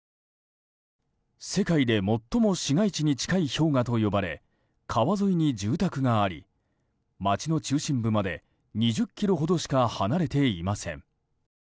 世界で最も市街地に近い氷河と呼ばれ川沿いに住宅があり街の中心部まで２０ｋｍほどしか離れていません。